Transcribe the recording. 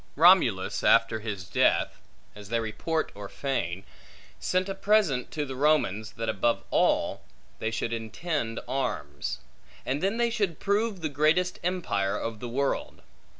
Romulus, after his death (as they report or feign), sent a present to the Romans, that above all, they should intend arms; and then they should prove the greatest empire of the world.